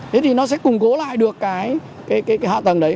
thế thì nó sẽ củng cố lại được cái hạ tầng đấy